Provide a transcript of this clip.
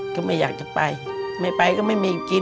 ก็ไม่อยากจะไปไม่ไปก็ไม่มีกิน